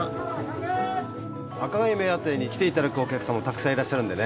赤貝目当てに来て頂くお客さんもたくさんいらっしゃるんでね。